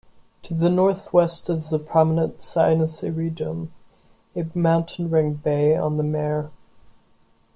To the northwest is the prominent Sinus Iridum, a mountain-ringed bay on the mare.